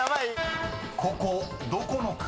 ［ここどこの国？］